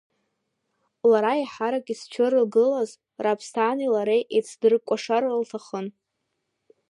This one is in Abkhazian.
Лара еиҳарак изцәырылгаз, Раԥсҭани лареи еицдыркәашар лҭахын.